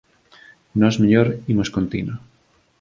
Nós mellor imos con tino